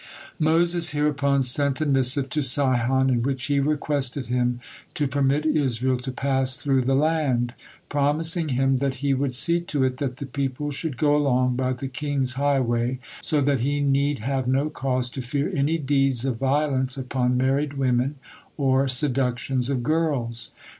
Moses hereupon sent a missive to Sihon in which he requested him to permit Israel to pass through the land, promising him that he would see to it that the people should go along by the king's highway, so that he need have no cause to fear any deeds of violence upon married women, or seductions of girls.